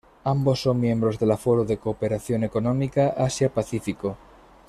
Ambos son miembros de la Foro de Cooperación Económica Asia-Pacífico.